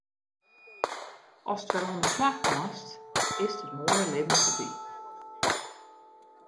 Ast wer oan 'e slach moatst, is it moaie libben foarby.